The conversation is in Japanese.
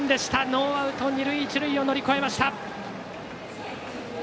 ノーアウト、二塁一塁を乗り越えました。